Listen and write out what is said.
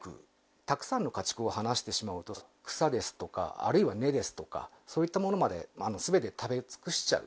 たくさんの家畜を離してしまうと、草ですとか、あるいは根ですとか、そういったものまですべて食べ尽くしちゃう。